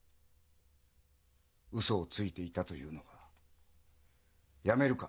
ウソをついていたと言うのはやめるか？